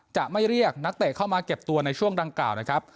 จะไม่เรียกนักเตะเข้ามาเก็บตัวในช่วงดังกล่าวนะครับ